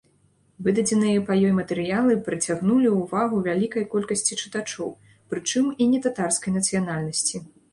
Выдадзеныя па ёй матэрыялы прыцягнулі ўвагу вялікай колькасці чытачоў, прычым і нетатарскай нацыянальнасці.